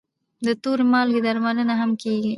د تور مالګې درملنه هم کېږي.